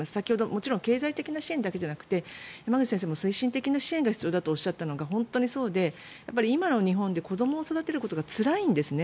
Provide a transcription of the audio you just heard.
もちろん経済的な支援だけじゃなくて山口先生も精神的な支援が必要だとおっしゃったのが本当にそうで、今の日本で子どもを育てることがつらいんですね。